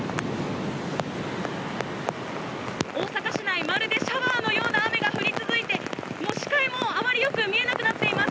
大阪市内まるでシャワーのような雨が降り続いて、視界もあまりよく見えなくなっています。